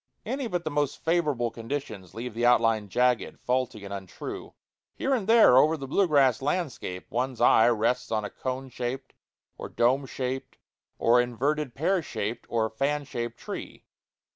Any but the most favorable conditions leave the outline jagged, faulty, and untrue. Here and there over the blue grass landscape one's eye rests on a cone shaped, or dome shaped, or inverted pear shaped, or fan shaped tree.